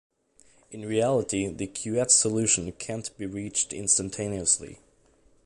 In reality, the Couette solution can't be reached instantaneously.